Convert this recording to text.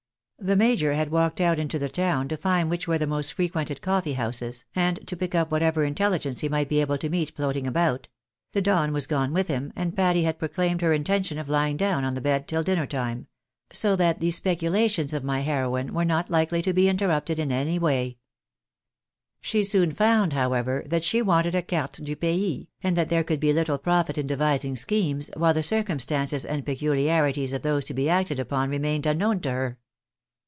The major had walked out into the town, to find which were the most fre quented coffee houses, and to pick up whatever intelligence he might be able to meet floating about ; the Don was gone with him, and Patty had proclaimed her intention of lying down on the bed till dinner time ; so that the speculations of my heroine were not likely to be interrupted ra.»,m sr ••fro^r MRS. BARNABY LEARNS A NEW FACT. 221 She soon found, however, that she wanted a carte du pays, and that there could be httle profit in devising schemes, while the cir cumstances and peculiarities of those to he acted upon remained unknown to her.